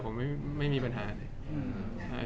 ผมไม่มีปัญหาเลย